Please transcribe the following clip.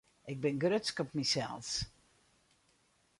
Ik bin grutsk op mysels.